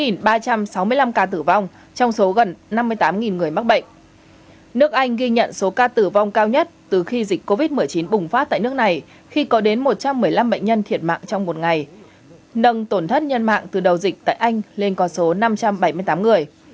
nước anh ghi nhận số ca tử vong cao nhất từ khi dịch covid một mươi chín bùng phát tại nước này khi có đến một trăm một mươi năm bệnh nhân thiệt mạng trong một ngày nâng tổn thất nhân mạng từ đầu dịch tại anh lên con số năm trăm bảy mươi tám người